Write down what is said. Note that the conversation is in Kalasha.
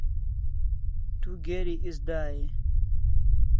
Tu geri is day e?